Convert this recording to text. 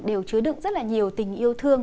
đều chứa được rất là nhiều tình yêu thương